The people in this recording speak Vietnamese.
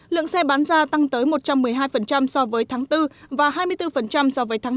lượng xe bán ra tăng tới một trăm một mươi hai so với tháng bốn và hai mươi bốn so với tháng năm